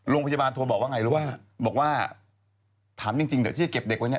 โรงพยาบาลโทรบอกว่าไงรู้ป่ะบอกว่าถามจริงเดี๋ยวที่จะเก็บเด็กไว้เนี่ย